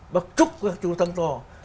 bác chúc các chú thắng to